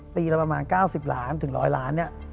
ปีละประมาณ๙๐ล้านถึง๑๐๐ล้านเนี่ย